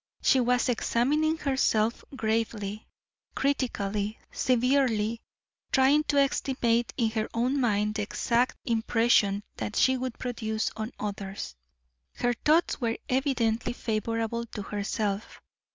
She was examining herself gravely, critically, severely, trying to estimate in her own mind the exact impression that she would produce on others. Her thoughts were evidently favorable to herself.